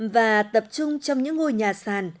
và tập trung trong những ngôi nhà sàn